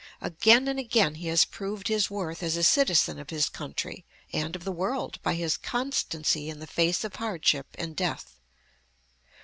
Again and again he has proved his worth as a citizen of his country and of the world by his constancy in the face of hardship and death.